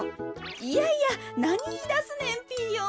いやいやなにいいだすねんピーヨン。